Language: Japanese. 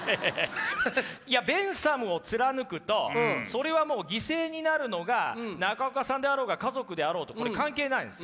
いやベンサムを貫くとそれはもう犠牲になるのが中岡さんであろうが家族であろうとこれ関係ないんです。